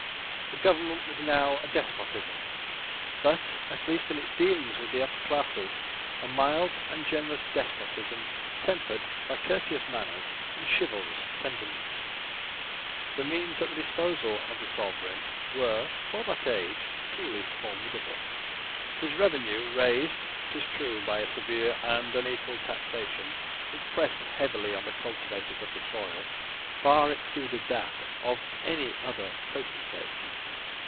The government was now a despotism, but, at least in its dealings with the upper classes, a mild and generous despotism, tempered by courteous manners and chivalrous sentiments. The means at the disposal of the sovereign were, for that age, truly formidable. His revenue, raised, it is true, by a severe and unequal taxation which pressed heavily on the cultivators of the soil, far exceeded that of any other potentate.